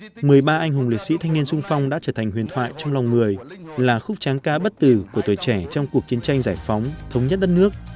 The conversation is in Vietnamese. trong đó một mươi ba anh hùng liệt sĩ thanh niên sung phong đã trở thành huyền thoại trong lòng người là khúc tráng cá bất tử của tuổi trẻ trong cuộc chiến tranh giải phóng thống nhất đất nước